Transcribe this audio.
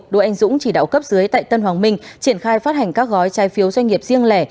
đỗ anh dũng chỉ đạo cấp dưới tại tân hoàng minh triển khai phát hành các gói trái phiếu doanh nghiệp riêng lẻ